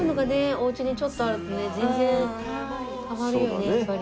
お家にちょっとあるとね全然変わるよねやっぱりね。